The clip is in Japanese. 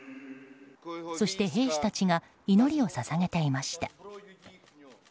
そして兵士たちが祈りを捧げていました。